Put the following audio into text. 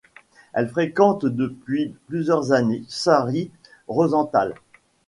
Elle fréquente depuis plusieurs années Shari Rosenthal.